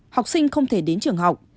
học sinh không thể đến trường học